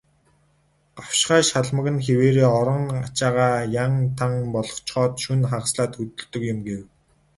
"Гавшгай шалмаг нь хэвээрээ, орой ачаагаа ян тан болгочхоод шөнө хагаслаад хөдөлдөг юм" гэв.